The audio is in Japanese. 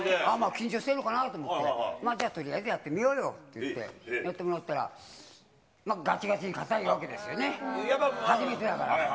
緊張してるのかなと思って、じゃあ、とりあえずやってみようよって言って、やってもらったら、がちがちにかたいわけですよね、初めてだから。